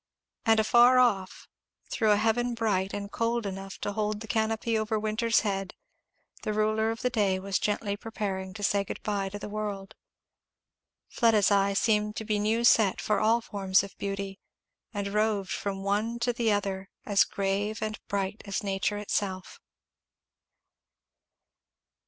And afar off, through a heaven bright and cold enough to hold the canopy over Winter's head, the ruler of the day was gently preparing to say good bye to the world. Fleda's eye seemed to be new set for all forms of beauty, and roved from one to the other, as grave and bright as nature itself.